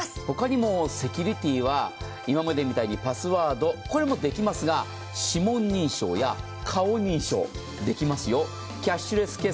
ほかにもセキュリティーは今までみたいにパスワード、これもできますが、指紋認証や顔認証、できますよ。